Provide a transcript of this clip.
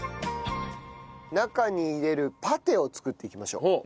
中に入れるパテを作っていきましょう。